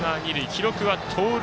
記録は盗塁。